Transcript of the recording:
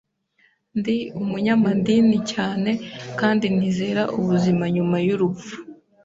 Ndi umunyamadini cyane kandi nizera ubuzima nyuma y'urupfu.